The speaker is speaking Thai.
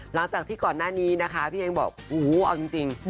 หลังจากที่ก่อนหน้านี้นะคะพี่เองบอกโอ้โหเอาจริง